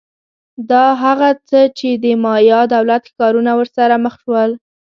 دا هغه څه چې د مایا دولت ښارونه ورسره مخ شول